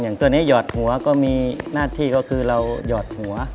ตัวนี้หยอดหัวก็มีหน้าที่ก็คือเราหยอดหัว